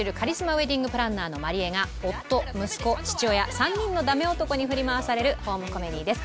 ウェディングプランナーの万里江が夫息子父親３人のダメ男に振り回されるホームコメディーです。